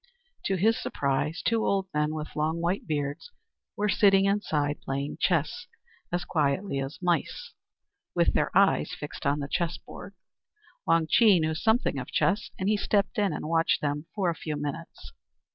To his surprise, two old men, with long, white beards, were sitting inside playing chess, as quietly as mice, with their eyes fixed on the chessboard. Wang Chih knew something of chess, and he stepped in and watched them for a few minutes.